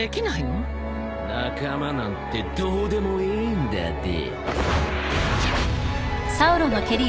仲間なんてどうでもええんだで。